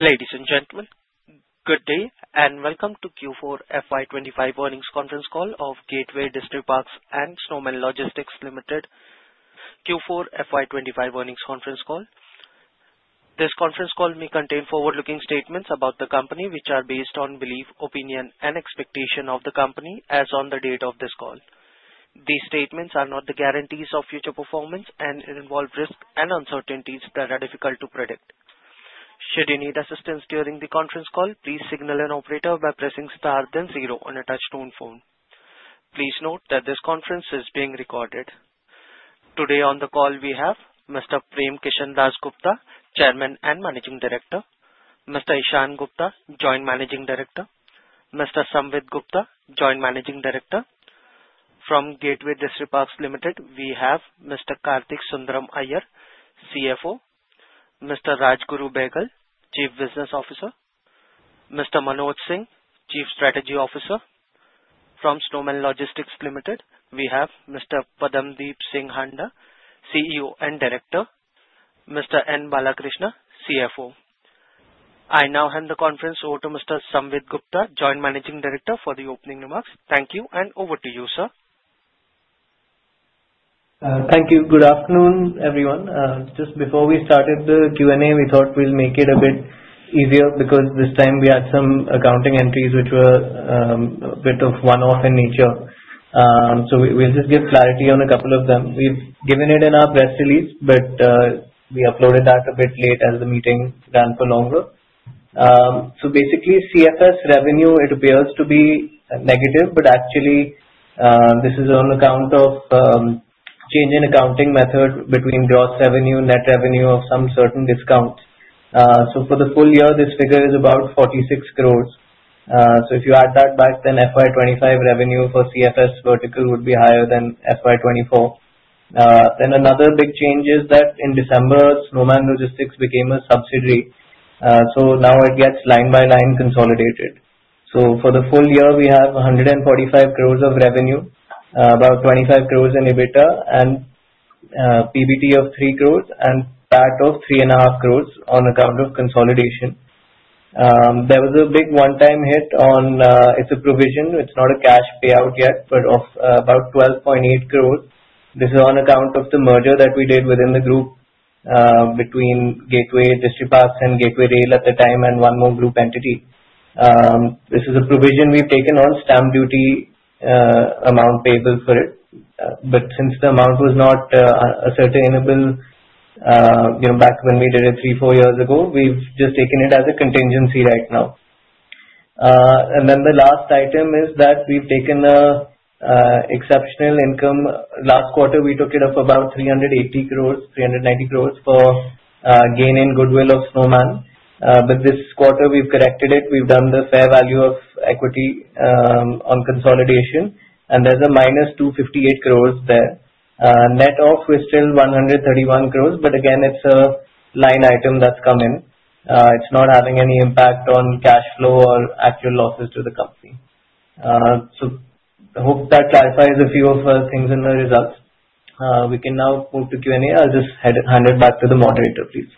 Ladies and gentlemen, good day and welcome to Q4 FY25 earnings conference call of Gateway Distriparks and Snowman Logistics Limited. This conference call may contain forward-looking statements about the company, which are based on belief, opinion, and expectation of the company as on the date of this call. These statements are not the guarantees of future performance and involve risks and uncertainties that are difficult to predict. Should you need assistance during the conference call, please signal an operator by pressing star then zero on a touch-tone phone. Please note that this conference is being recorded. Today on the call, we have Mr. Prem Kishan Gupta, Chairman and Managing Director, Mr. Ishaan Gupta, Joint Managing Director, Mr. Samvid Gupta, Joint Managing Director. From Gateway Distriparks Limited, we have Mr. Kartik Sundaram Aiyer, CFO, Mr. Rajguru Behgal, Chief Business Officer, Mr. Manoj Singh, Chief Strategy Officer. From Snowman Logistics Limited, we have Mr. Padamdeep Singh Handa, CEO and Director. Mr. N. Balakrishna, CFO. I now hand the conference over to Mr. Samvid Gupta, Joint Managing Director, for the opening remarks. Thank you and over to you, sir. Thank you. Good afternoon, everyone. Just before we started the Q&A, we thought we'll make it a bit easier because this time we had some accounting entries which were a bit of one-off in nature. So we'll just give clarity on a couple of them. We've given it in our press release, but we uploaded that a bit late as the meeting ran for longer. So basically, CFS revenue, it appears to be negative, but actually this is on account of change in accounting method between gross revenue, net revenue of some certain discount. So for the full year, this figure is about 46 crores. So if you add that back, then FY25 revenue for CFS vertical would be higher than FY24. Then another big change is that in December, Snowman Logistics became a subsidiary. So now it gets line by line consolidated. So for the full year, we have 145 crores of revenue, about 25 crores in EBITDA, and PBT of 3 crores, and PAT of 3.5 crores on account of consolidation. There was a big one-time hit on it. It's a provision. It's not a cash payout yet, but of about 12.8 crores. This is on account of the merger that we did within the group between Gateway Distriparks and Gateway Rail at the time and one more group entity. This is a provision we've taken on stamp duty amount payable for it. But since the amount was not a certain amount back when we did it three, four years ago, we've just taken it as a contingency right now. And then the last item is that we've taken the exceptional income. Last quarter, we took it off about 380 crores-INR390 crores for gain in goodwill of Snowman. But this quarter, we've corrected it. We've done the fair value of equity on consolidation, and there's a minus 258 crores there. Net of, we're still 131 crores, but again, it's a line item that's come in. It's not having any impact on cash flow or actual losses to the company. So I hope that clarifies a few things in the results. We can now move to Q&A. I'll just hand it back to the moderator, please.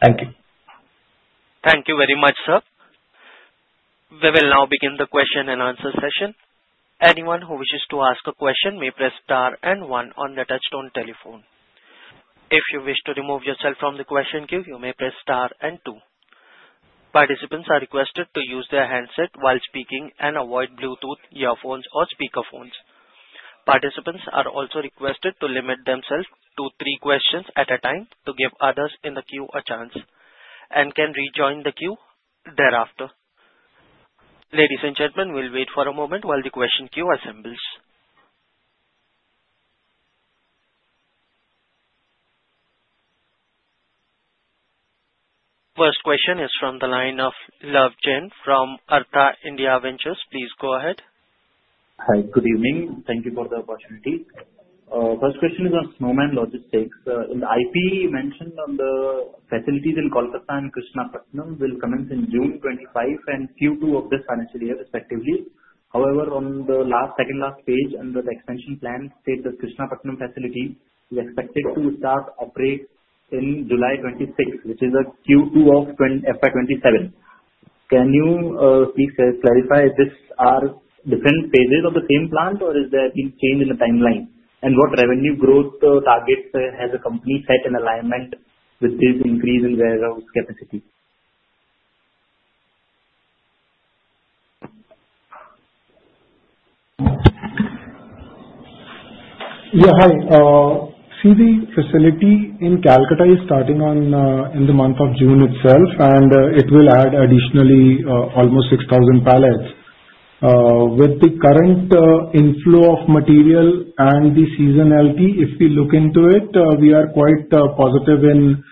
Thank you. Thank you very much, sir. We will now begin the question and answer session. Anyone who wishes to ask a question may press star and one on the touch-tone telephone. If you wish to remove yourself from the question queue, you may press star and two. Participants are requested to use their handset while speaking and avoid Bluetooth earphones or speakerphones. Participants are also requested to limit themselves to three questions at a time to give others in the queue a chance and can rejoin the queue thereafter. Ladies and gentlemen, we'll wait for a moment while the question queue assembles. First question is from the line of Love Jain from Artha India Ventures. Please go ahead. Hi, good evening. Thank you for the opportunity. First question is on Snowman Logistics. In the IP mentioned on the facilities in Kolkata and Krishnapatnam will commence in June 2025 and Q2 of this financial year, respectively. However, on the second last page under the expansion plan, it says the Krishnapatnam facility is expected to start operating in July 2026, which is a Q2 of FY27. Can you please clarify if these are different phases of the same plant or is there any change in the timeline? And what revenue growth targets has the company set in alignment with this increase in warehouse capacity? Yeah, hi. See, the facility in Kolkata is starting in the month of June itself, and it will add additionally almost 6,000 pallets. With the current inflow of material and the seasonality, if we look into it, we are quite positive in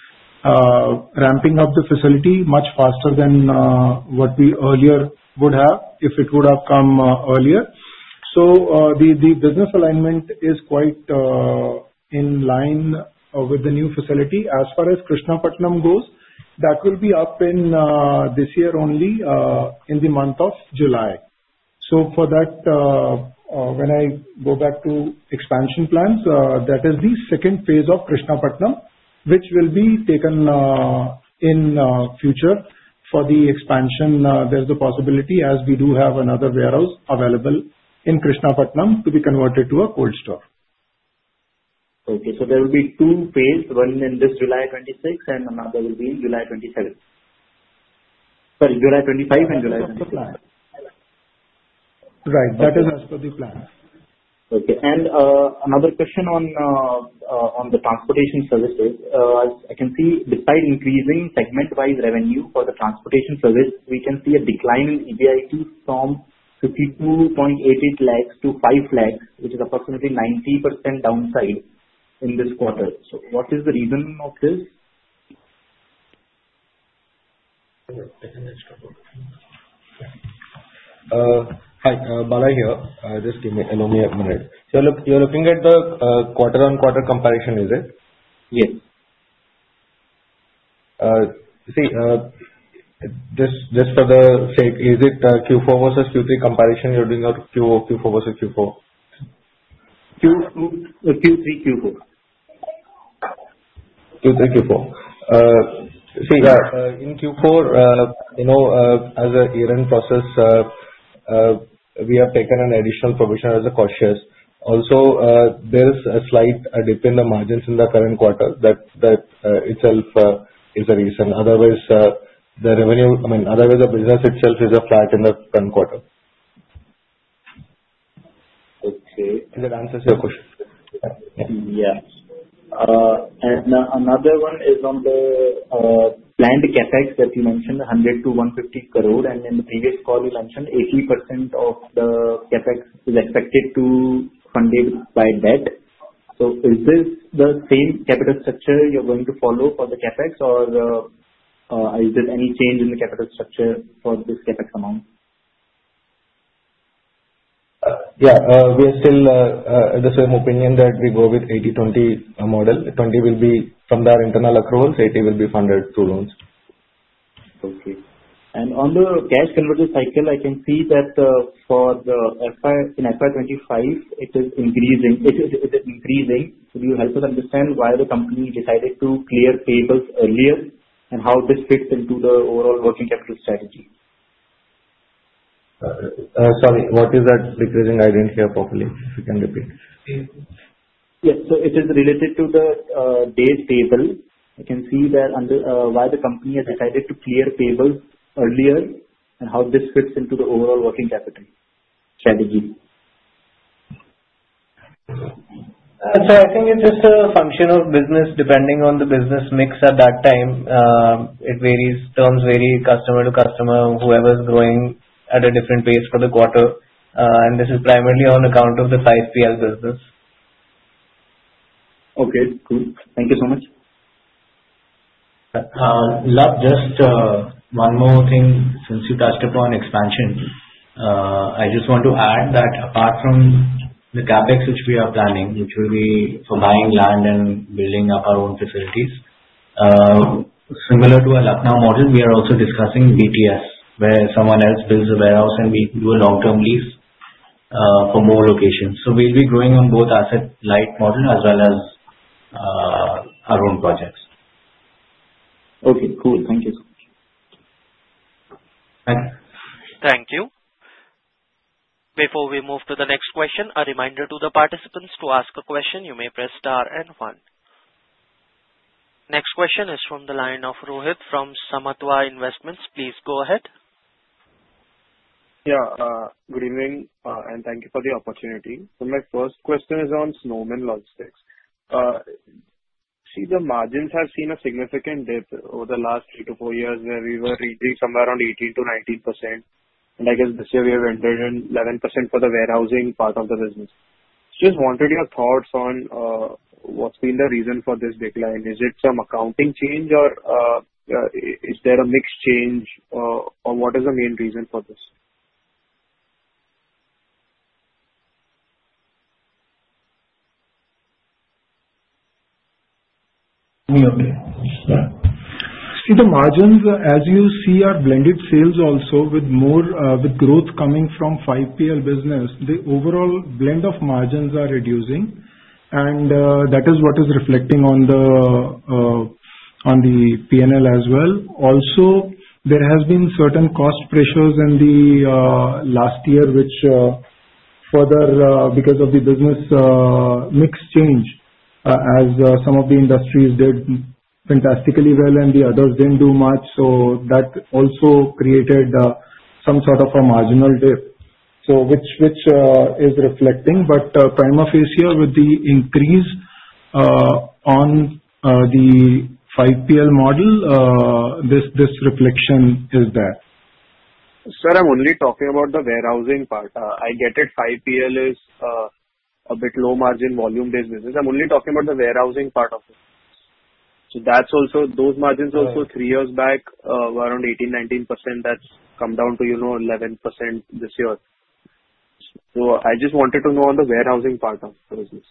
ramping up the facility much faster than what we earlier would have if it would have come earlier. So the business alignment is quite in line with the new facility. As far as Krishnapatnam goes, that will be up in this year only in the month of July. So for that, when I go back to expansion plans, that is the second phase of Krishnapatnam, which will be taken in future for the expansion. There's a possibility as we do have another warehouse available in Krishnapatnam to be converted to a cold store. Okay. So there will be two phases, one in this July 26 and another will be in July 27. Sorry, July 25 and July 26. That's the plan. Right. That is as per the plan. Okay. And another question on the transportation services. As I can see, despite increasing segment-wise revenue for the transportation service, we can see a decline in EBIT from 52.88 lakhs to 5 lakhs, which is approximately 90% downside in this quarter. So what is the reason of this? Hi, Bala here. Just give me a moment. So you're looking at the quarter-on-quarter comparison, is it? Yes. See, just for the sake, is it Q4 versus Q3 comparison you're doing or Q4 versus Q4? Q3, Q4. Q3, Q4. See, in Q4, as an earning process, we have taken an additional provision as a cost shares. Also, there is a slight dip in the margins in the current quarter. That itself is a reason. Otherwise, the revenue, I mean, otherwise, the business itself is flat in the current quarter. Okay. Did that answer your question? Yes. And another one is on the planned CapEx that you mentioned, 100 crore-150 crore. And in the previous call, you mentioned 80% of the CapEx is expected to be funded by debt. So is this the same capital structure you're going to follow for the CapEx, or is there any change in the capital structure for this CapEx amount? Yeah, we are still in the same opinion that we go with 80/20 model. 20 will be from their internal accruals. 80 will be funded through loans. Okay. And on the cash conversion cycle, I can see that for FY24 in FY25, it is increasing. Could you help us understand why the company decided to clear payables earlier and how this fits into the overall working capital strategy? Sorry, what is that decreasing? I didn't hear properly. If you can repeat. Yes. So it is related to the debt table. I can see that under why the company has decided to clear payables earlier and how this fits into the overall working capital strategy. So I think it's just a function of business. Depending on the business mix at that time, it varies. Terms vary customer to customer, whoever is growing at a different pace for the quarter. And this is primarily on account of the 5PL business. Okay. Cool. Thank you so much. Love, just one more thing. Since you touched upon expansion, I just want to add that apart from the CapEx, which we are planning, which will be for buying land and building up our own facilities, similar to our Lucknow model, we are also discussing BTS, where someone else builds a warehouse and we do a long-term lease for more locations. So we'll be growing on both asset-light model as well as our own projects. Okay. Cool. Thank you. Thanks. Thank you. Before we move to the next question, a reminder to the participants to ask a question. You may press star and one. Next question is from the line of Rohit from Samatva Investments. Please go ahead. Yeah. Good evening and thank you for the opportunity. So my first question is on Snowman Logistics. See, the margins have seen a significant dip over the last three to four years where we were reaching somewhere around 18%-19%. And I guess this year we have entered in 11% for the warehousing part of the business. Just wanted your thoughts on what's been the reason for this decline. Is it some accounting change or is there a mixed change or what is the main reason for this? See, the margins, as you see, are blended sales also with growth coming from 5PL business. The overall blend of margins are reducing, and that is what is reflecting on the P&L as well. Also, there have been certain cost pressures in the last year, which further because of the business mix change, as some of the industries did fantastically well and the others didn't do much. So that also created some sort of a marginal dip. So which is reflecting, but from this year with the increase on the 5PL model, this reflection is there. Sir, I'm only talking about the warehousing part. I get it 5PL is a bit low margin volume-based business. I'm only talking about the warehousing part of it. So those margins also three years back were around 18%-19%. That's come down to 11% this year. So I just wanted to know on the warehousing part of the business.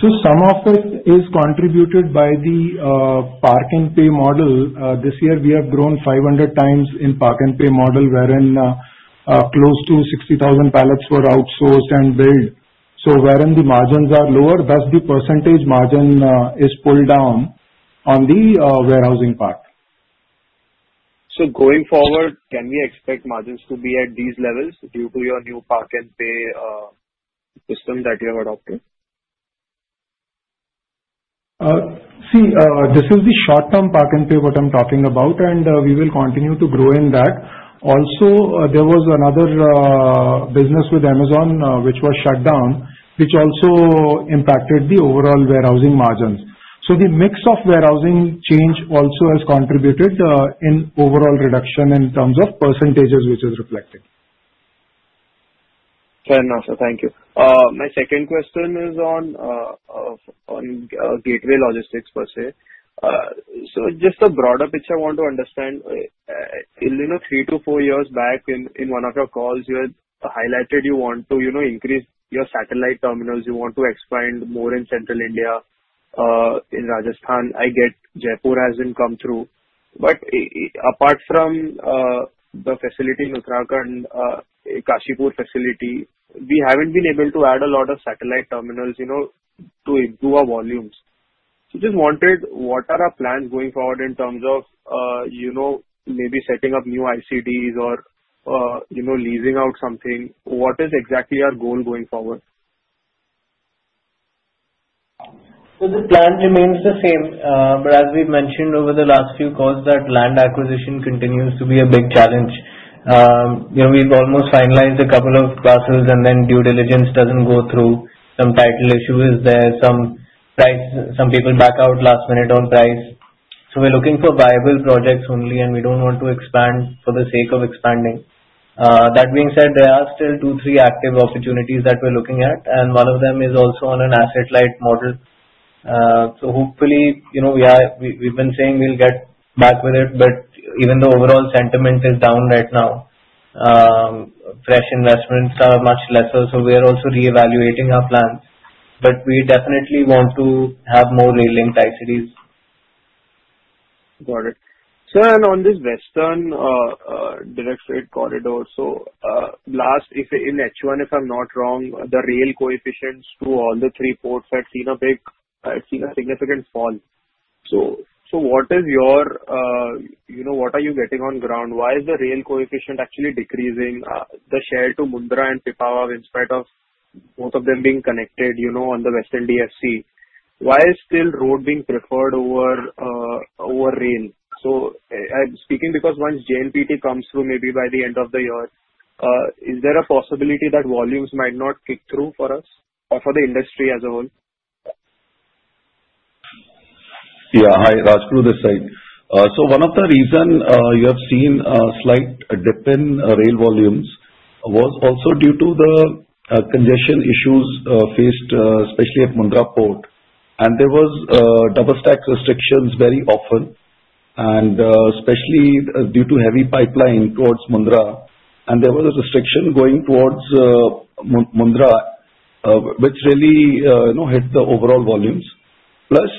Some of it is contributed by the Park and Pay model. This year, we have grown 500 times in Park and Pay model, wherein close to 60,000 pallets were outsourced and built. Wherein the margins are lower, thus the percentage margin is pulled down on the warehousing part. So going forward, can we expect margins to be at these levels due to your new Park and Pay system that you have adopted? See, this is the short-term park and pay what I'm talking about, and we will continue to grow in that. Also, there was another business with Amazon which was shut down, which also impacted the overall warehousing margins. So the mix of warehousing change also has contributed in overall reduction in terms of percentages, which is reflected. Fair enough. Thank you. My second question is on Gateway Distriparks per se. So just the broader picture I want to understand. Three to four years back, in one of your calls, you had highlighted you want to increase your satellite terminals. You want to expand more in Central India, in Rajasthan. I get Jaipur hasn't come through. But apart from the facility in Uttarakhand, Kashipur facility, we haven't been able to add a lot of satellite terminals to improve our volumes. So just wanted what are our plans going forward in terms of maybe setting up new ICDs or leasing out something? What is exactly our goal going forward? So the plan remains the same, but as we mentioned over the last few calls, that land acquisition continues to be a big challenge. We've almost finalized a couple of parcels, and then due diligence doesn't go through. Some title issue is there. Some people back out last minute on price. So we're looking for viable projects only, and we don't want to expand for the sake of expanding. That being said, there are still two or three active opportunities that we're looking at, and one of them is also on an asset-light model. So hopefully, we've been saying we'll get back with it, but even though overall sentiment is down right now, fresh investments are much lesser. So we are also reevaluating our plans, but we definitely want to have more rail-linked ICDs. Got it. Sir, and on this Western Dedicated Freight Corridor, so last in Q1, if I'm not wrong, the rail coefficients to all the three ports had seen a significant fall. So what are you getting on ground? Why is the rail coefficient actually decreasing? The share to Mundra and Pipavav, in spite of both of them being connected on the Western DFC, why is still road being preferred over rail? So speaking because once JNPT comes through maybe by the end of the year, is there a possibility that volumes might not kick through for us or for the industry as a whole? Yeah. Hi, Rajguru is saying. So one of the reasons you have seen a slight dip in rail volumes was also due to the congestion issues faced, especially at Mundra Port. And there were double-stack restrictions very often, and especially due to heavy pipeline towards Mundra. And there was a restriction going towards Mundra, which really hit the overall volumes. Plus,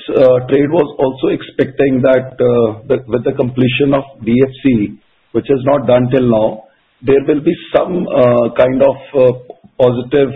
trade was also expecting that with the completion of DFC, which has not done till now, there will be some kind of positive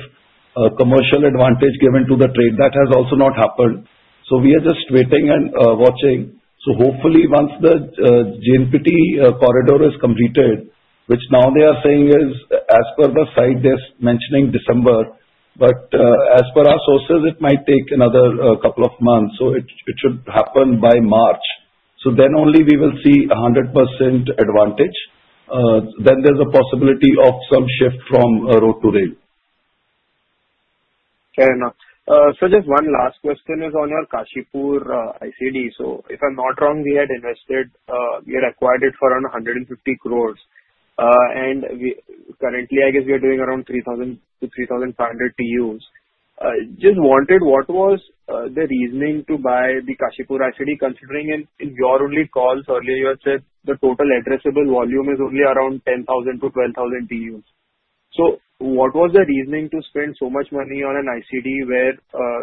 commercial advantage given to the trade. That has also not happened. We are just waiting and watching. Hopefully, once the JNPT corridor is completed, which now they are saying is, as per the site they're mentioning, December, but as per our sources, it might take another couple of months. It should happen by March. Then only we will see 100% advantage. Then there's a possibility of some shift from road to rail. Fair enough. So just one last question is on your Kashipur ICD. So if I'm not wrong, we had acquired it for around 150 crores. And currently, I guess we are doing around 3,000-3,500 TEUs. Just wanted what was the reasoning to buy the Kashipur ICD, considering in your only calls earlier, you had said the total addressable volume is only around 10,000-12,000 TEUs. So what was the reasoning to spend so much money on an ICD where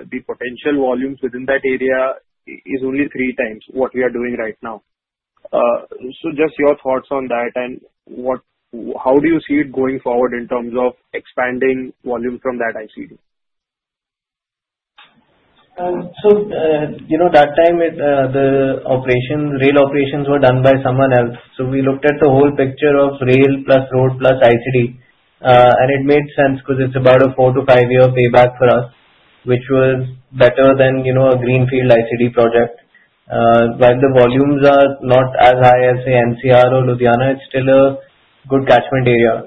the potential volumes within that area is only three times what we are doing right now? So just your thoughts on that and how do you see it going forward in terms of expanding volume from that ICD? So that time, the rail operations were done by someone else. So we looked at the whole picture of rail plus road plus ICD, and it made sense because it's about a four- to-five year payback for us, which was better than a greenfield ICD project. While the volumes are not as high as, say, NCR or Ludhiana, it's still a good catchment area.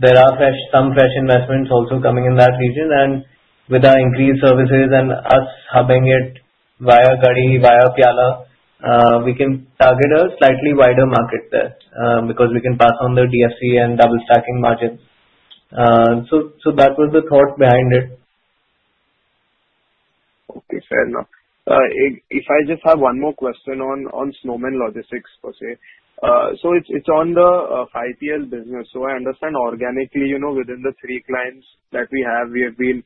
There are some fresh investments also coming in that region, and with our increased services and us hubbing it via Garhi, via Piyala, we can target a slightly wider market there because we can pass on the DFC and double-stacking margins. So that was the thought behind it. Okay. Fair enough. If I just have one more question on Snowman Logistics per se. So it's on the 5PL business. So I understand organically within the three clients that we have, we have been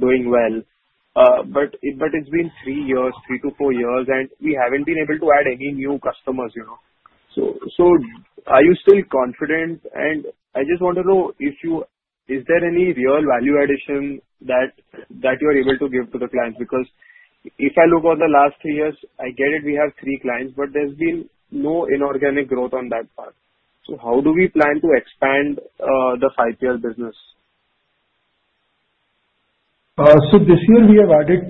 doing well. But it's been three years, three to four years, and we haven't been able to add any new customers. So are you still confident? And I just want to know if you is there any real value addition that you are able to give to the clients? Because if I look at the last three years, I get it we have three clients, but there's been no inorganic growth on that part. So how do we plan to expand the 5PL business? This year, we have added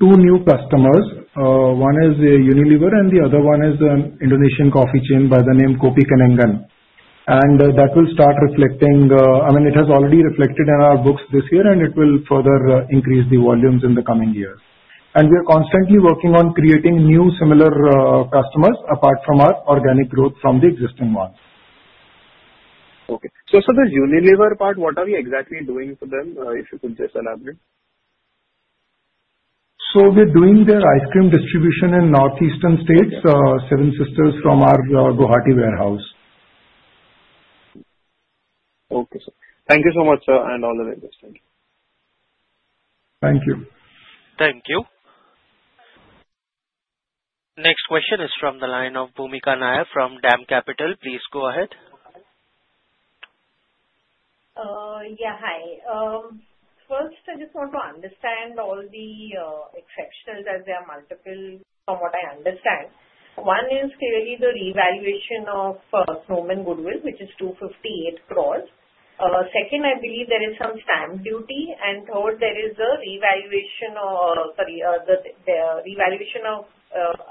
two new customers. One is Unilever, and the other one is an Indonesian coffee chain by the name Kopi Kenangan. That will start reflecting I mean, it has already reflected in our books this year, and it will further increase the volumes in the coming years. We are constantly working on creating new similar customers apart from our organic growth from the existing ones. Okay. So for the Unilever part, what are we exactly doing for them, if you could just elaborate? So we're doing their ice cream distribution in Northeastern states, Seven Sisters from our Guwahati warehouse. Okay. Thank you so much, sir, and all the best. Thank you. Thank you. Thank you. Next question is from the line of Bhoomika Nair from DAM Capital. Please go ahead. Yeah. Hi. First, I just want to understand all the exceptions, as there are multiple. From what I understand, one is clearly the revaluation of Snowman goodwill, which is 258 crores. Second, I believe there is some stamp duty. And third, there is the revaluation of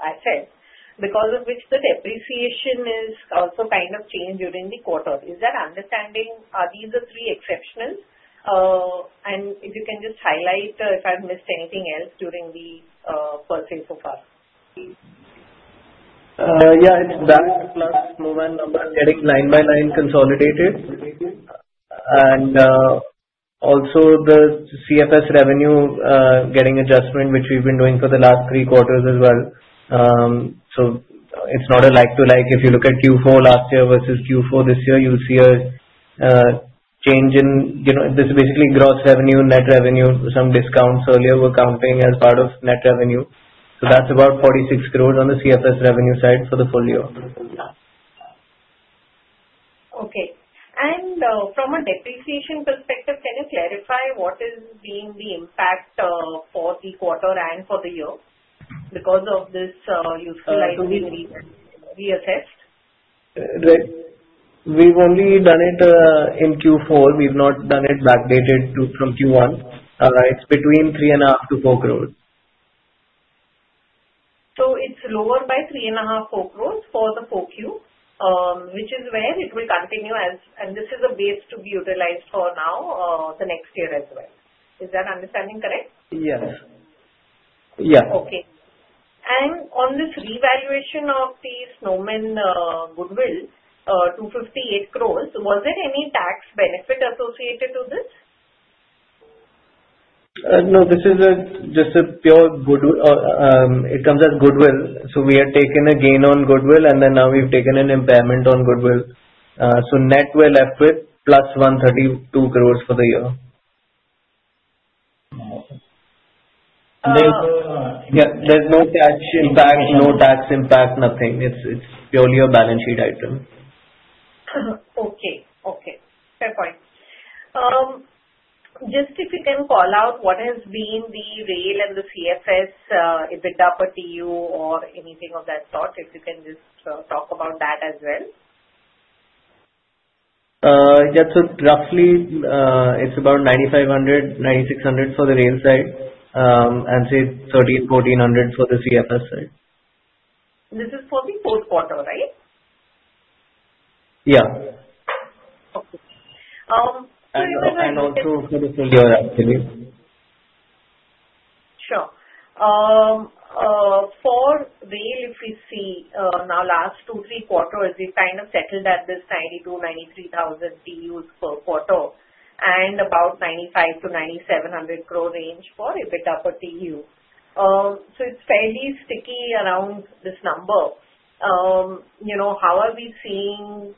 assets because of which the depreciation is also kind of changed during the quarter. Is that understanding? Are these the three exceptionals? And if you can just highlight if I've missed anything else during the first phase so far. Yeah. It's that plus Snowman number getting nine by nine consolidated. And also, the CFS revenue getting adjustment, which we've been doing for the last three quarters as well. So it's not a like-to-like. If you look at Q4 last year versus Q4 this year, you'll see a change in this is basically gross revenue, net revenue. Some discounts earlier were counting as part of net revenue. So that's about 46 crores on the CFS revenue side for the full year. Okay. From a depreciation perspective, can you clarify what is being the impact for the quarter and for the year because of this useful life reassessed? We've only done it in Q4. We've not done it backdated from Q1. It's between 3.5 crores to 4 crores. So it's lower by 3.5 crores-4 crores for the Q4, which is where it will continue, and this is a base to be utilized for now, the next year as well. Is that understanding correct? Yes. Yeah. Okay. And on this revaluation of the Snowman goodwill, 258 crores, was there any tax benefit associated to this? No, this is just a pure goodwill. It comes as goodwill. So we had taken a gain on goodwill, and then now we've taken an impairment on goodwill. So net we're left with plus 132 crore for the year. Yeah. There's no tax impact, no tax impact, nothing. It's purely a balance sheet item. Okay. Okay. Fair point. Just if you can call out what has been the rail and the CFS, if it's upper TEU or anything of that sort, if you can just talk about that as well. Yeah. So roughly, it's about 9,500, 9,600 for the rail side and say 1,300, 1,400 for the CFS side. This is for the fourth quarter, right? Yeah. Okay, so if there's any. And also for the full year, actually. Sure. For rail, if we see now last two, three quarters, we've kind of settled at this 92,000-93,000 TEUs per quarter and about 9,500 crore to 9,700 crore range for a bit per TEU. So it's fairly sticky around this number. How are we seeing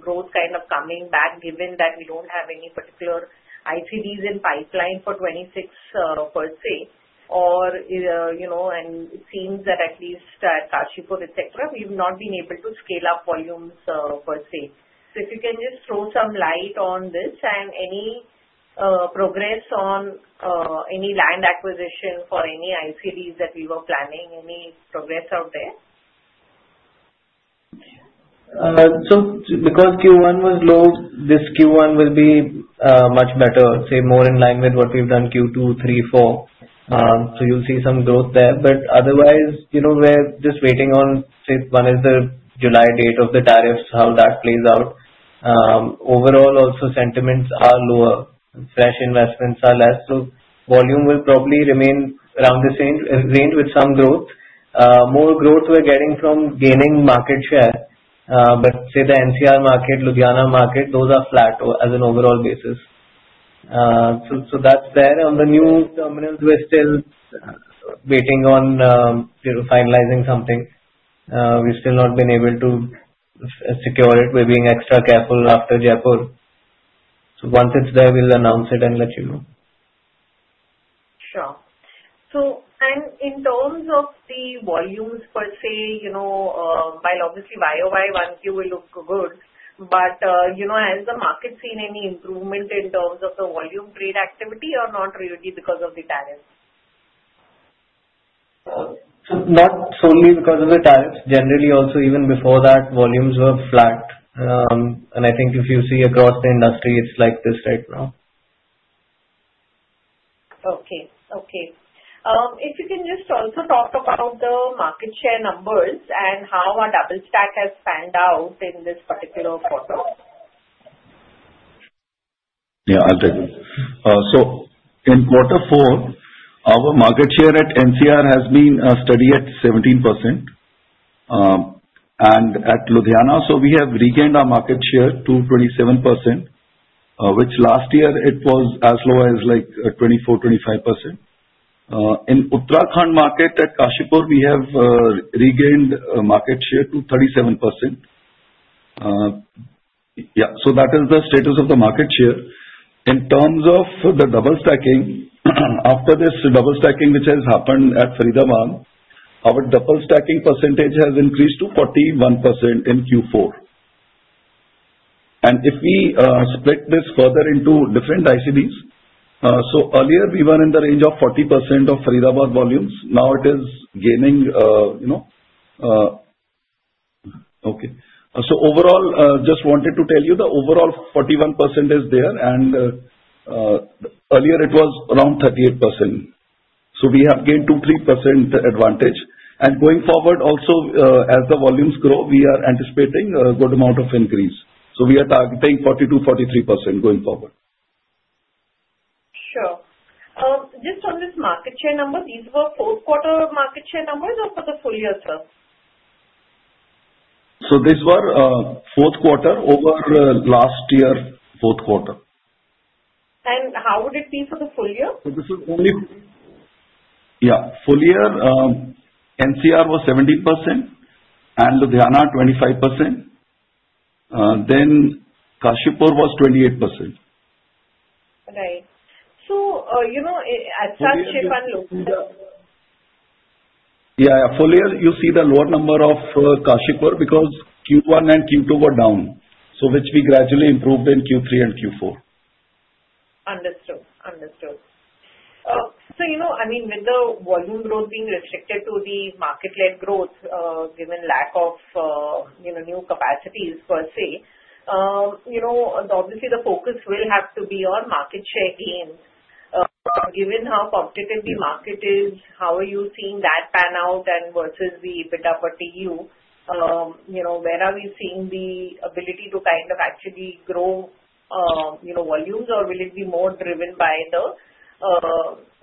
growth kind of coming back given that we don't have any particular ICDs in pipeline for 26 per se? And it seems that at least at Kashipur, etc., we've not been able to scale up volumes per se. So if you can just throw some light on this and any progress on any land acquisition for any ICDs that we were planning, any progress out there? So because Q1 was low, this Q1 will be much better, say, more in line with what we've done Q2, 3, 4. So you'll see some growth there. But otherwise, we're just waiting on, say, one is the July date of the tariffs, how that plays out. Overall, also sentiments are lower. Fresh investments are less. So volume will probably remain around the same range with some growth. More growth we're getting from gaining market share. But say the NCR market, Ludhiana market, those are flat as an overall basis. So that's there. On the new terminals, we're still waiting on finalizing something. We've still not been able to secure it. We're being extra careful after Jaipur. So once it's there, we'll announce it and let you know. Sure. So and in terms of the volumes per se, while obviously YoY 1Q will look good, but has the market seen any improvement in terms of the volume trade activity or not really because of the tariffs? Not solely because of the tariffs. Generally, also even before that, volumes were flat. And I think if you see across the industry, it's like this right now. Okay. If you can just also talk about the market share numbers and how our double-stacking has panned out in this particular quarter. Yeah. I'll take it. So in quarter four, our market share at NCR has been steady at 17%. And at Ludhiana, so we have regained our market share to 27%, which last year it was as low as like 24%-25%. In Uttarakhand market at Kashipur, we have regained market share to 37%. Yeah. So that is the status of the market share. In terms of the double-stacking, after this double-stacking which has happened at Faridabad, our double-stacking percentage has increased to 41% in Q4. And if we split this further into different ICDs, so earlier we were in the range of 40% of Faridabad volumes. Now it is gaining Okay. So overall, just wanted to tell you the overall 41% is there, and earlier it was around 38%. So we have gained 2%-3% advantage. Going forward, also as the volumes grow, we are anticipating a good amount of increase. We are targeting 42%-43% going forward. Sure. Just on this market share number, these were fourth quarter market share numbers or for the full year, sir? These were fourth quarter over last year, fourth quarter. How would it be for the full year? Full year, NCR was 17% and Ludhiana 25%. Then Kashipur was 28%. Right, so at such a shape and look. Yeah. Full year, you see the lower number of Kashipur because Q1 and Q2 were down, which we gradually improved in Q3 and Q4. Understood. So I mean, with the volume growth being restricted to the market-led growth given lack of new capacities per se, obviously the focus will have to be on market share gains. Given how competitive the market is, how are you seeing that pan out versus the bit upper TEU? Where are we seeing the ability to kind of actually grow volumes, or will it be more driven by the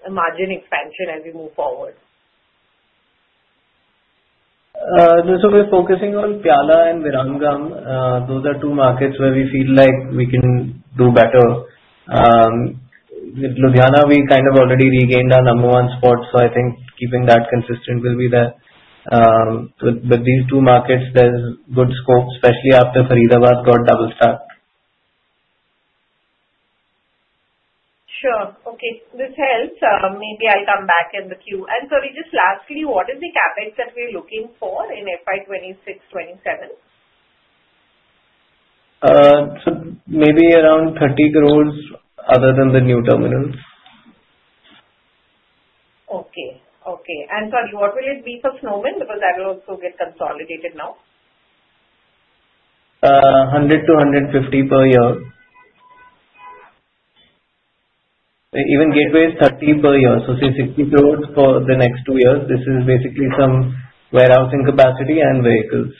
margin expansion as we move forward? So we're focusing on Piyala and Viramgam. Those are two markets where we feel like we can do better. With Ludhiana, we kind of already regained our number one spot, so I think keeping that consistent will be there. But these two markets, there's good scope, especially after Faridabad got double-stacked. Sure. Okay. This helps. Maybe I'll come back in the queue, and sorry, just lastly, what is the CapEx that we're looking for in FY 2026-2027? Maybe around 30 crores other than the new terminals. Okay. Okay. And sorry, what will it be for Snowman? Because that will also get consolidated now. 100-150 per year. Even Gateway is 30 per year. So say 60 crores for the next two years. This is basically some warehousing capacity and vehicles.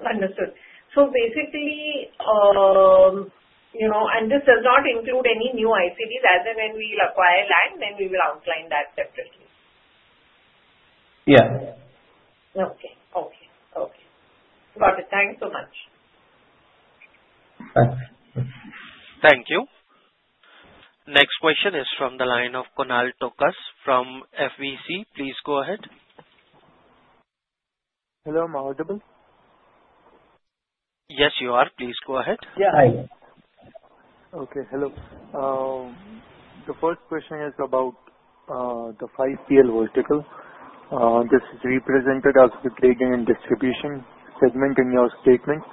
Understood. So, basically, and this does not include any new ICDs. Either when we acquire land, then we will outline that separately. Yeah. Okay. Got it. Thanks so much. Thank you. Next question is from the line of Kunal Tokas from FVC. Please go ahead. Hello. Am I audible? Yes, you are. Please go ahead. The first question is about the 5PL vertical. This is represented as the trading and distribution segment in your statements.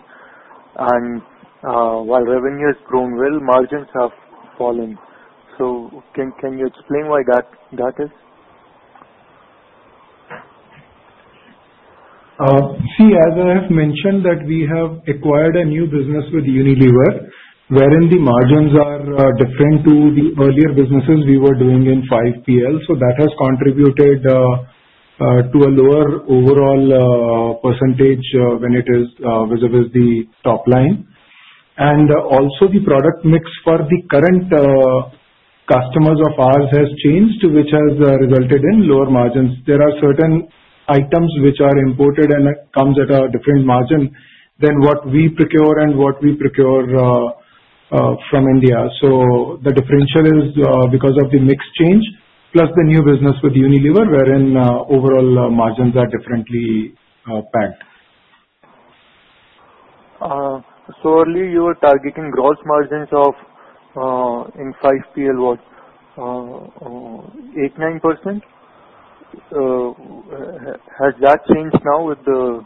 While revenue has grown well, margins have fallen. So can you explain why that is? See, as I have mentioned that we have acquired a new business with Unilever, wherein the margins are different to the earlier businesses we were doing in 5PL. So that has contributed to a lower overall percentage when it is vis-à-vis the top line. And also, the product mix for the current customers of ours has changed, which has resulted in lower margins. There are certain items which are imported and it comes at a different margin than what we procure and what we procure from India. So the differential is because of the mix change, plus the new business with Unilever, wherein overall margins are differently pegged. Earlier, you were targeting gross margins in 5PL was 89%. Has that changed now with the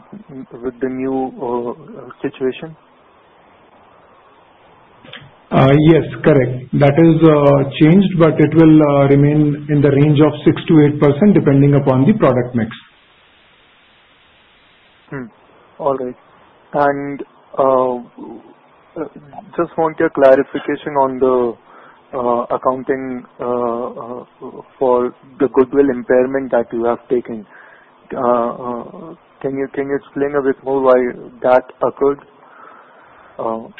new situation? Yes. Correct. That has changed, but it will remain in the range of 6%-8% depending upon the product mix. All right. And just want a clarification on the accounting for the goodwill impairment that you have taken. Can you explain a bit more why that occurred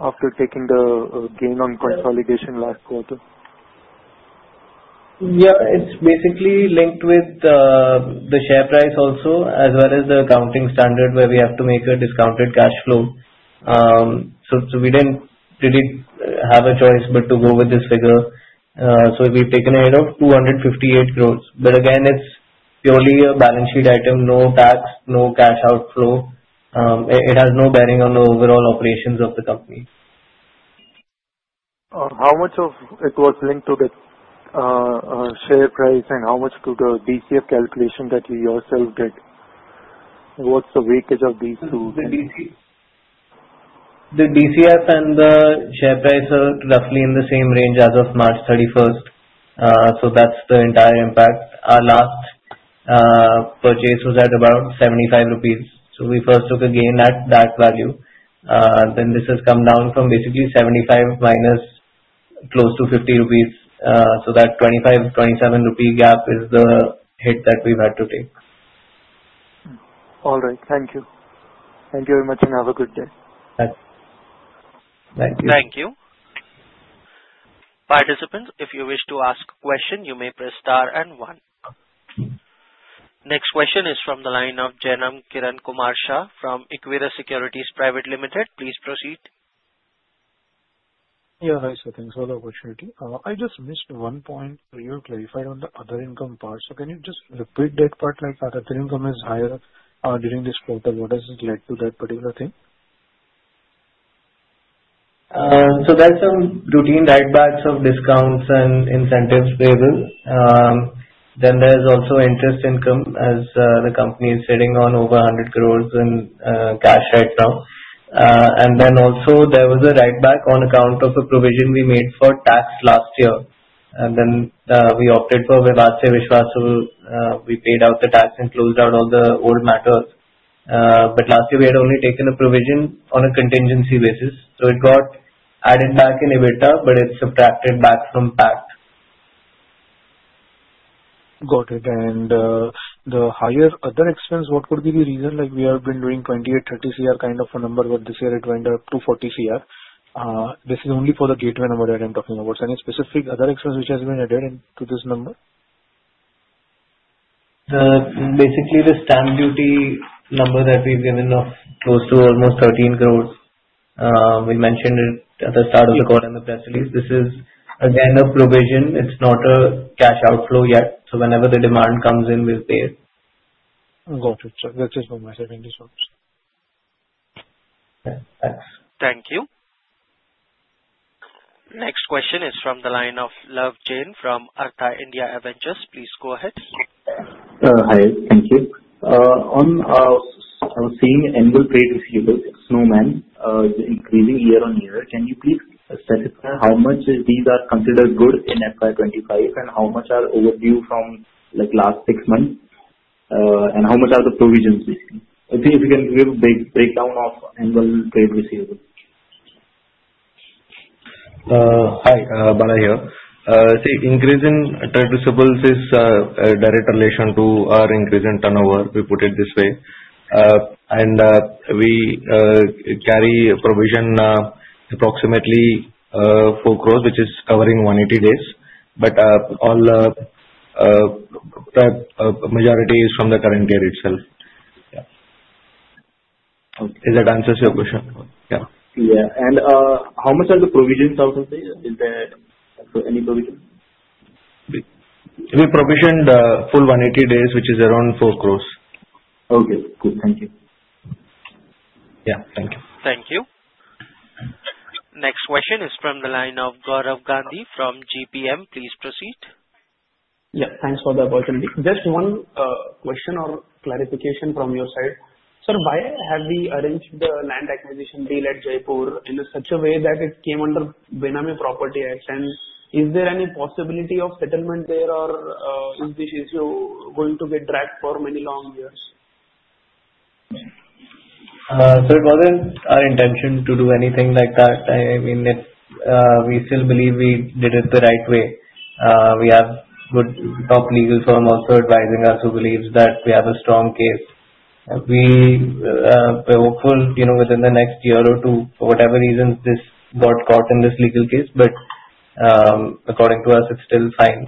after taking the gain on consolidation last quarter? Yeah. It's basically linked with the share price also, as well as the accounting standard where we have to make a discounted cash flow. So we didn't really have a choice but to go with this figure. So we've taken ahead of 258 crores. But again, it's purely a balance sheet item, no tax, no cash outflow. It has no bearing on the overall operations of the company. How much of it was linked to the share price and how much to the DCF calculation that you yourself did? What's the weightage of these two? The DCF and the share price are roughly in the same range as of March 31st. So that's the entire impact. Our last purchase was at about 75 rupees. So we first took a gain at that value. Then this has come down from basically 75 minus close to 50 rupees. So that 25-27 rupee gap is the hit that we've had to take. All right. Thank you. Thank you very much and have a good day. Thank you. Thank you. Participants, if you wish to ask a question, you may press star and one. Next question is from the line of Jainam Kiran Kumar Shah from Equirus Securities Private Limited. Please proceed. Yeah. Hi, Sir. Thanks for the opportunity. I just missed one point. You clarified on the other income part. So can you just repeat that part? Like other income is higher during this quarter. What has led to that particular thing? There’s some routine write-backs of discounts and incentives payable. Then there’s also interest income as the company is sitting on over 100 crores in cash right now. And then also there was a write-back on account of a provision we made for tax last year. And then we opted for Vivad se Vishwas. We paid out the tax and closed out all the old matters. But last year, we had only taken a provision on a contingency basis. So it got added back in EBITDA, but it’s subtracted back from PAT. Got it. And the higher other expense, what would be the reason? Like we have been doing 28-30 Cr kind of a number, but this year it went up to 40 Cr. This is only for the Gateway number that I'm talking about. Any specific other expense which has been added into this number? Basically, the stamp duty number that we've given of close to almost 13 crores. We mentioned it at the start of the call in the press release. This is again a provision. It's not a cash outflow yet. So whenever the demand comes in, we'll pay it. Got it, sir. That is no matter in this conversation. Thanks. Thank you. Next question is from the line of Love Jain from Artha India Ventures. Please go ahead. Hi. Thank you. On seeing annual trade receivables, Snowman is increasing year on year. Can you please specify how much these are considered good in FY 25 and how much are overdue from last six months, and how much are the provisions? If you can give a breakdown of annual trade receivables. Hi. Bala here. See, increase in trade receivables is a direct relation to our increase in turnover. We put it this way. And we carry provision approximately 4 crores, which is covering 180 days. But all majority is from the current year itself. Yeah. Is that answers your question? Yeah. Yeah, and how much are the provisions out of the year? Is there any provision? We provisioned full 180 days, which is around 4 crores. Okay. Good. Thank you. Yeah. Thank you. Thank you. Next question is from the line of Gaurav Gandhi from GPM. Please proceed. Yeah. Thanks for the opportunity. Just one question or clarification from your side. Sir, why have we arranged the land acquisition deal at Jaipur in such a way that it came under Benami Property Act? And is there any possibility of settlement there, or is this issue going to get dragged for many long years? So it wasn't our intention to do anything like that. I mean, we still believe we did it the right way. We have good top legal firm also advising us who believes that we have a strong case. We were hopeful within the next year or two, for whatever reasons, this got caught in this legal case. But according to us, it's still fine.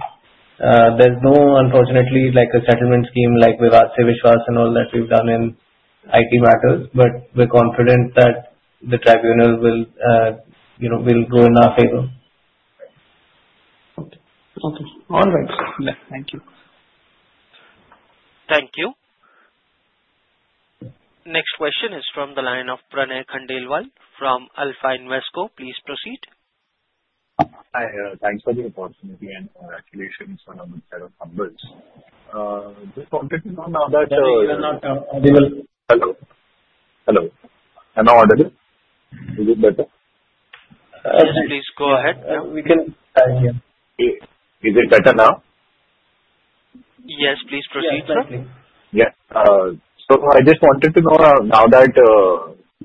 There's no, unfortunately, like a settlement scheme like Vivad se Vishwas and all that we've done in IT matters. But we're confident that the tribunal will go in our favor. Okay. All right. Yeah. Thank you. Thank you. Next question is from the line of Pranay Khandelwal from Alpha Invesco. Please proceed. Hi. Thanks for the opportunity and congratulations on a number of milestones. We will not. Hello. Hello. Am I audible? Is it better? Yes, please go ahead. We can hear you. Is it better now? Yes, please proceed, sir. Yes. So I just wanted to know now that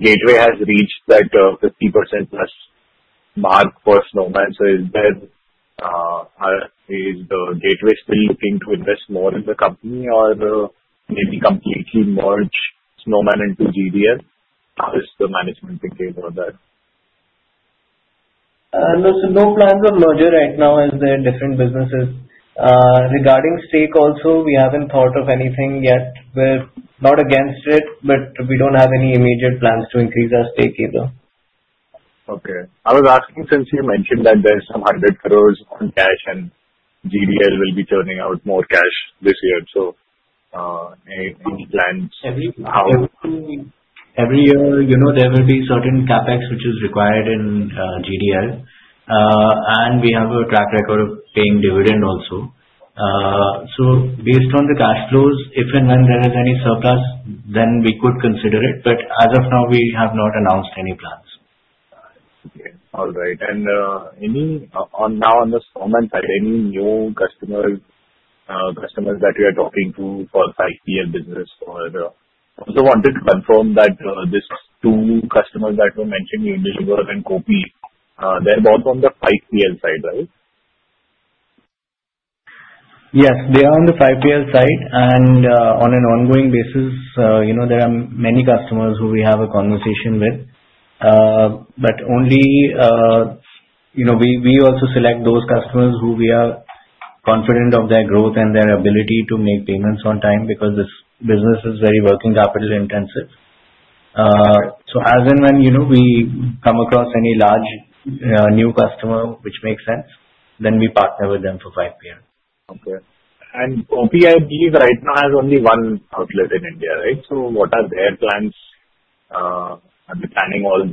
Gateway has reached that 50% plus mark for Snowman, so is the Gateway still looking to invest more in the company or maybe completely merge Snowman into GDL? How is the management thinking on that? No, so no plans on merger right now as they're different businesses. Regarding stake also, we haven't thought of anything yet. We're not against it, but we don't have any immediate plans to increase our stake either. Okay. I was asking since you mentioned that there's some 100 crores on cash and GDL will be turning out more cash this year, so any plans? Every year, there will be certain CapEx which is required in GDL. And we have a track record of paying dividend also. So based on the cash flows, if and when there is any surplus, then we could consider it. But as of now, we have not announced any plans. All right. And now on the Snowman side, any new customers that we are talking to for 5PL business? I also wanted to confirm that these two customers that were mentioned, Unilever and Kopi, they're both on the 5PL side, right? Yes. They are on the 5PL side. And on an ongoing basis, there are many customers who we have a conversation with. But only we also select those customers who we are confident of their growth and their ability to make payments on time because this business is very working capital intensive. So as and when we come across any large new customer, which makes sense, then we partner with them for 5PL. Okay. And Kopi, I believe right now has only one outlet in India, right? So what are their plans? Are they planning all?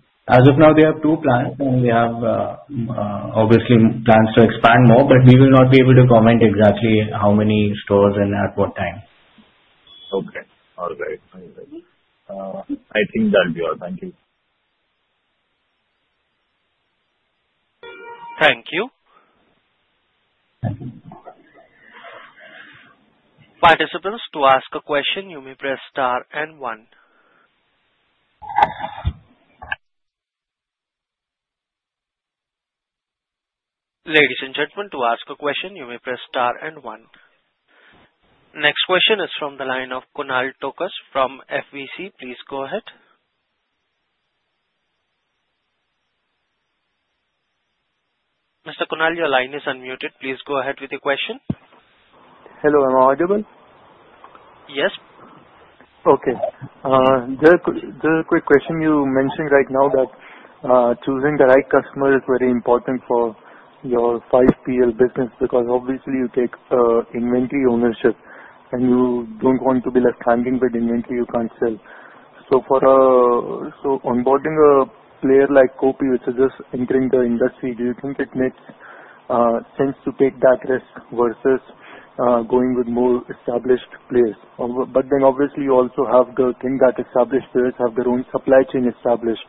As of now, they have two plans, and we have obviously plans to expand more, but we will not be able to comment exactly how many stores and at what time. Okay. All right. All right. I think that'll be all. Thank you. Thank you. Participants, to ask a question, you may press star and one. Ladies and gentlemen, to ask a question, you may press star and one. Next question is from the line of Kunal Tokas from FVC. Please go ahead. Mr. Kunal, your line is unmuted. Please go ahead with the question. Hello. Am I audible? Yes. Okay. Just a quick question. You mentioned right now that choosing the right customer is very important for your 5PL business because obviously you take inventory ownership and you don't want to be left hanging with inventory you can't sell. So onboarding a player like Kopi, which is just entering the industry, do you think it makes sense to take that risk versus going with more established players? But then obviously you also have the thing that established players have their own supply chain established.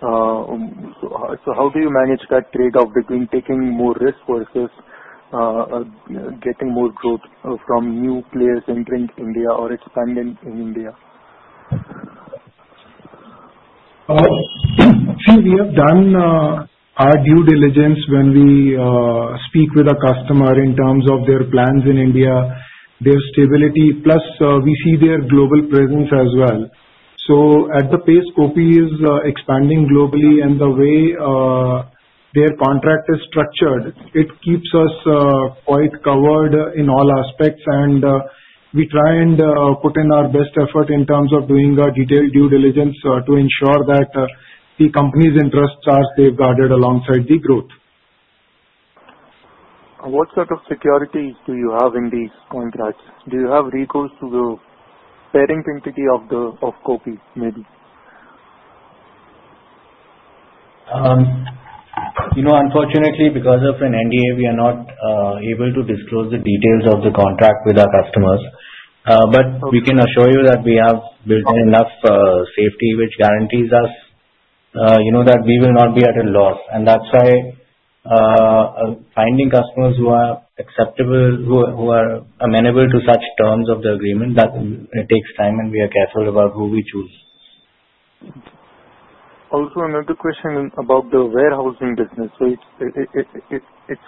So how do you manage that trade-off between taking more risk versus getting more growth from new players entering India or expanding in India? See, we have done our due diligence when we speak with a customer in terms of their plans in India, their stability, plus we see their global presence as well. So at the pace Kopi is expanding globally and the way their contract is structured, it keeps us quite covered in all aspects, and we try and put in our best effort in terms of doing a detailed due diligence to ensure that the company's interests are safeguarded alongside the growth. What sort of securities do you have in these contracts? Do you have recourse to the parent entity of Kopi maybe? Unfortunately, because of an NDA, we are not able to disclose the details of the contract with our customers. But we can assure you that we have built in enough safety which guarantees us that we will not be at a loss. And that's why finding customers who are acceptable, who are amenable to such terms of the agreement, that it takes time and we are careful about who we choose. Also, another question about the warehousing business. So it's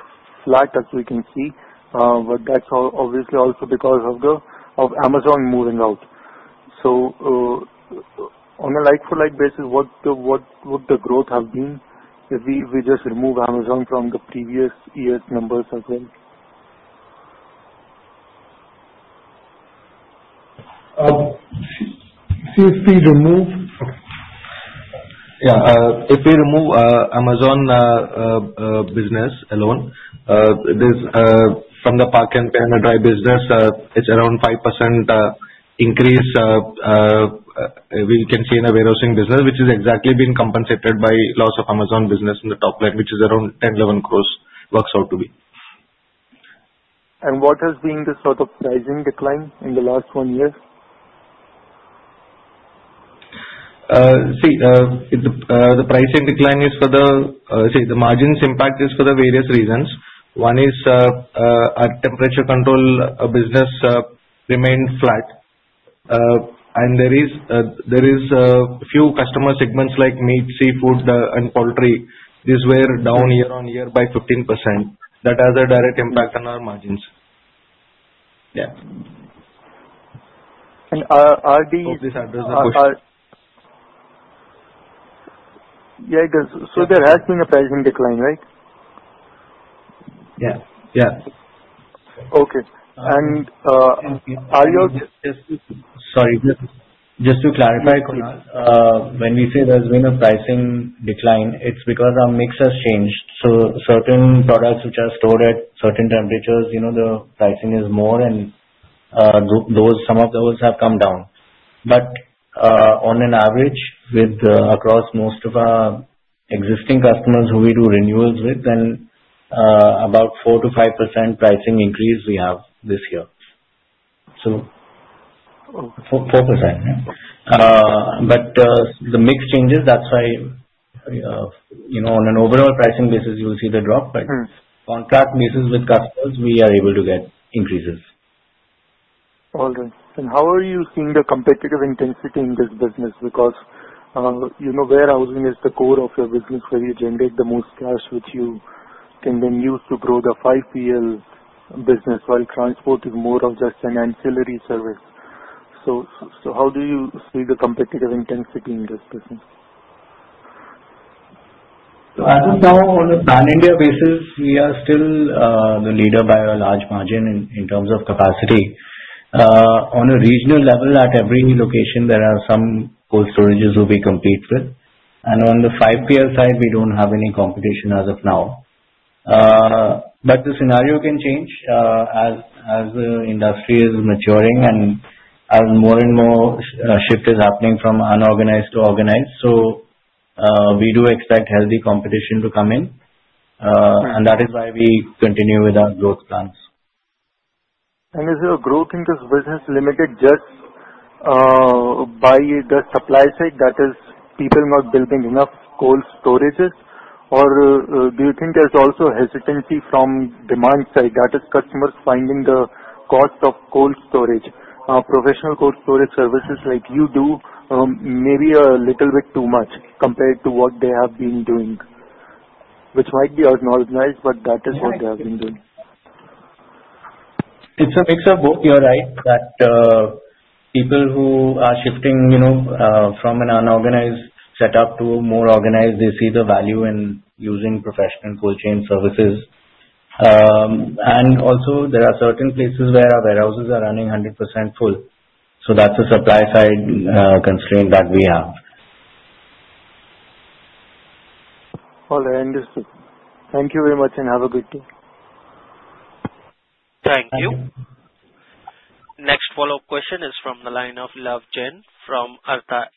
flat as we can see, but that's obviously also because of Amazon moving out. So on a like-for-like basis, what would the growth have been if we just remove Amazon from the previous year's numbers as well? See, if we remove Amazon business alone from the Park and Pay business, it's around 5% increase we can see in the warehousing business, which is exactly being compensated by loss of Amazon business in the top line, which is around 10 crores-11 crores, which works out to be. What has been the sort of pricing decline in the last one year? See, the pricing decline is for the margins. Impact is for the various reasons. One is our temperature control business remained flat, and there are a few customer segments like meat, seafood, and poultry. This went down year on year by 15%. That has a direct impact on our margins. Yeah. Are the. Of this address, the question. Yeah, I guess. So there has been a pricing decline, right? Yeah. Yeah. Okay. And are your. Sorry. Just to clarify, Kunal, when we say there's been a pricing decline, it's because our mix has changed. So certain products which are stored at certain temperatures, the pricing is more, and some of those have come down. But on an average, across most of our existing customers who we do renewals with, then about 4%-5% pricing increase we have this year. So 4%. But the mix changes, that's why on an overall pricing basis, you'll see the drop. But contract basis with customers, we are able to get increases. All right, and how are you seeing the competitive intensity in this business? Because warehousing is the core of your business where you generate the most cash, which you can then use to grow the 5PL business while transport is more of just an ancillary service, so how do you see the competitive intensity in this business? So as of now, on a pan-India basis, we are still the leader by a large margin in terms of capacity. On a regional level, at every location, there are some cold storages who we compete with. And on the 5PL side, we don't have any competition as of now. But the scenario can change as the industry is maturing and as more and more shift is happening from unorganized to organized. So we do expect healthy competition to come in. And that is why we continue with our growth plans. Is your growth in this business limited just by the supply side? That is, people not building enough cold storages? Or do you think there's also hesitancy from demand side? That is, customers finding the cost of cold storage, professional cold storage services like you do, maybe a little bit too much compared to what they have been doing, which might be unorganized, but that is what they have been doing. It's a mix of both, you're right, that people who are shifting from an unorganized setup to more organized, they see the value in using professional cold chain services. And also, there are certain places where our warehouses are running 100% full. So that's a supply side constraint that we have. All right. Thank you very much and have a good day. Thank you. Next follow-up question is from the line of Love Jain from Artha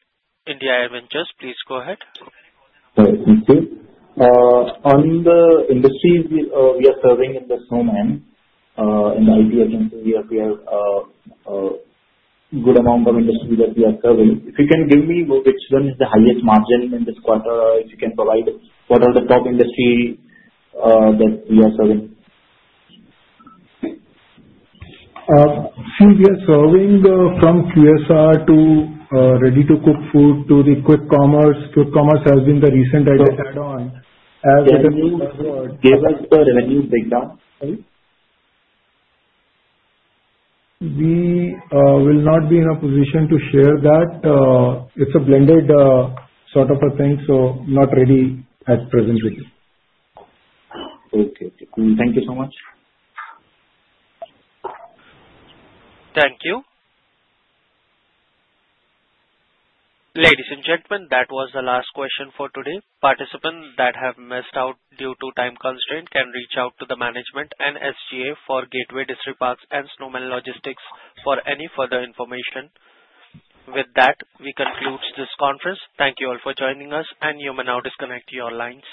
India Ventures. Please go ahead. Thank you. On the industries we are serving in the Snowman, in the IT agency, we have a good amount of industries that we are serving. If you can give me which one is the highest margin in this quarter? If you can provide what are the top industries that we are serving? See, we are serving from QSR to ready-to-cook food to the quick commerce. Quick commerce has been the recent added add-on. Gave us the revenue breakdown, right? We will not be in a position to share that. It's a blended sort of a thing, so not ready at present. Okay. Thank you so much. Thank you. Ladies and gentlemen, that was the last question for today. Participants that have missed out due to time constraint can reach out to the management and SGA for Gateway Distriparks and Snowman Logistics for any further information. With that, we conclude this conference. Thank you all for joining us, and you may now disconnect your lines.